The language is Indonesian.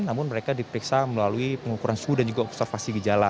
namun mereka diperiksa melalui pengukuran suhu dan juga observasi gejala